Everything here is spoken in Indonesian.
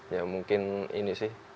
ya mungkin ini sih